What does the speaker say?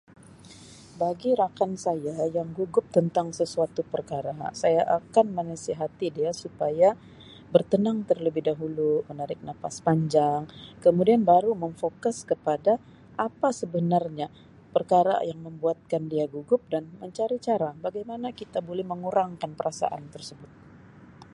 Bagi rakan saya yang gugup tentang sesuatu perkara saya akan menasihati dia supaya bertenang terlebih dahulu menarik nafas panjang kemudian baru memfokus kepada apa sebenarnya perkara yang membuatkan dia gugup dan mencari cara bagaimana kita boleh mengurangkan perasaan tersebut.